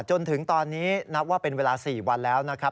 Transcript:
จนถึงตอนนี้นับว่าเป็นเวลา๔วันแล้วนะครับ